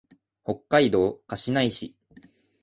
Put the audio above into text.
北海道歌志内市